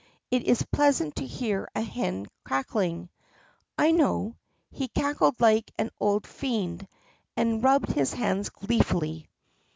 It is pleasant to hear a hen cackling. I know ! He cackled like an old fiend — and rubbed his hands gleefully.